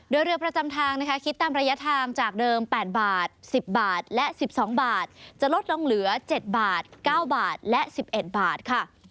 โดยเรือประจำทางนะคะคิดตามระยะทางจากเดิม๘บาท๑๐บาทและ๑๒บาทจะลดลงเหลือ๗บาท๙บาทและ๑๑บาทค่ะ